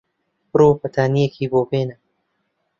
بڕۆ بەتانییەکی بۆ بێنە.